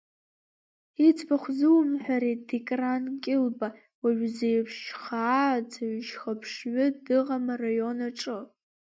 Иӡбахә ззумҳәари Дикран Кьылба, уажә зеиԥш шьха ааӡаҩы, шьхаԥшҩы дыҟам араион аҿы.